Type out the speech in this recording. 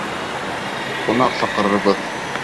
Ҡунаҡ саҡырырбыҙ.